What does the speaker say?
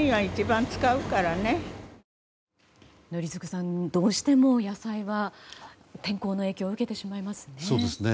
宜嗣さんどうしても野菜は天候の影響を受けてしまいますね。